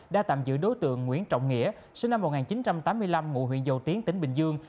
đã tạm giữ đối tượng nguyễn trọng nghĩa sinh năm một nghìn chín trăm tám mươi năm ngụ huyện dầu tiến tỉnh bình dương